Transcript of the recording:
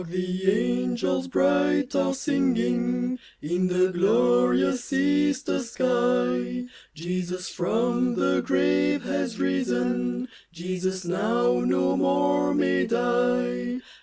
the angels bright are singing In the glorious Easter sky ; Jesus from the grave has risen, Jesus now no more may die.